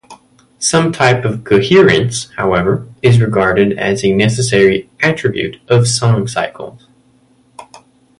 Some type of coherence, however, is regarded as a necessary attribute of song cycles.